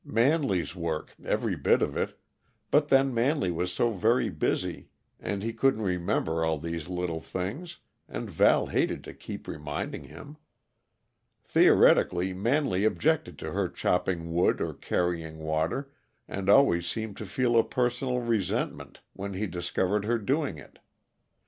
Manley's work, every bit of it but then Manley was so very busy, and he couldn't remember all these little things, and Val hated to keep reminding him. Theoretically, Manley objected to her chopping wood or carrying water, and always seemed to feel a personal resentment when he discovered her doing it.